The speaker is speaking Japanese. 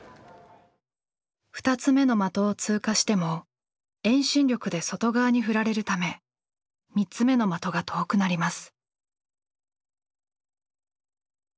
２つ目の的を通過しても遠心力で外側に振られるため３つ目の的が遠くなります。